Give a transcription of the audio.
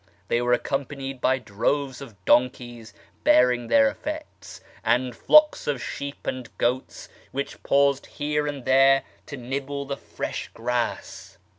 They were accompanied by droves of donkeys bearing their effects, and flocks of sheep and goats, which paused here and there to nibble the fresh grass.